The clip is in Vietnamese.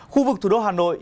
khu vực thủ đô hà nội